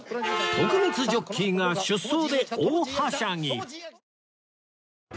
徳光ジョッキーが出走で大はしゃぎ